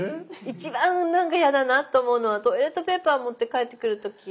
一番なんか嫌だなと思うのはトイレットペーパー持って帰ってくる時。